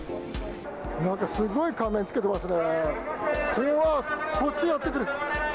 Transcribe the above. なんか、すごい仮面着けてますね。